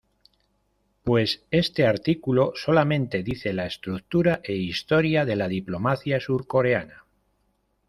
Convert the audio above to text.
Pues este artículo solamente dice la estructura e historia de la diplomacia surcoreana.